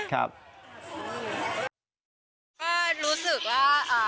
ก็รู้สึกว่า